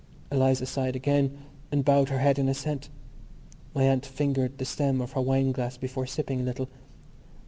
Eliza sighed again and bowed her head in assent. My aunt fingered the stem of her wine glass before sipping a little.